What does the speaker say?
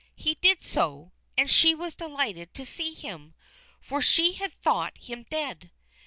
He did so, and she was delighted to see him, for she had thought him dead.